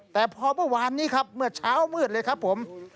แต่พอเมื่อวานนี้ครับเมื่อเช้ามืดเลยครับผม